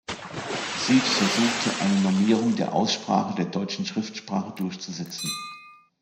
Siebs versuchte, eine Normierung der Aussprache der deutschen Schriftsprache durchzusetzen.